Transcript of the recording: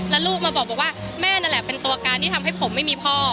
แล้วลูกมาบอกว่าแม่นั่นแหละเป็นตัวการที่ทำให้ผมไม่มีพ่อ